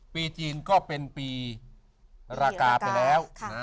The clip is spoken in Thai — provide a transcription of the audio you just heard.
ปีจีนก็เป็นปีรากาไปแล้ว